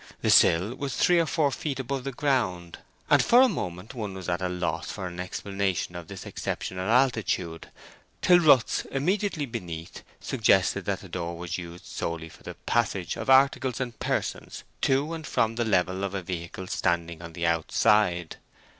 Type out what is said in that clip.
The sill was three or four feet above the ground, and for a moment one was at a loss for an explanation of this exceptional altitude, till ruts immediately beneath suggested that the door was used solely for the passage of articles and persons to and from the level of a vehicle standing on the outside.